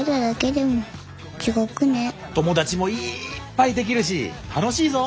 友達もいっぱいできるし楽しいぞ。